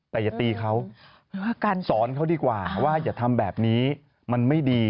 แต่อย่าตีเขาสอนเขาดีกว่าว่าอย่าทำแบบนี้มันไม่ดี